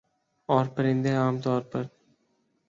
اورپرندے عام طور پر